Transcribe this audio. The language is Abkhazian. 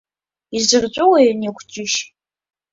Изырҵәуои ани акәҷышь?